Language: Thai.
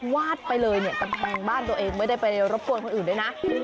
วาดไปเลยบ้านตัวเองไม่ให้ไปรบกวนคนอื่นได้นะ